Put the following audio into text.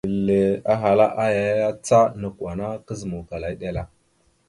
Mbile ahala aya ya, ca nakw ana kazǝmawkala eɗel a.